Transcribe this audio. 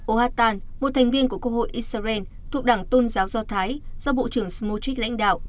o hatan một thành viên của cộng hội israel thuộc đảng tôn giáo do thái do bộ trưởng somotic lãnh đạo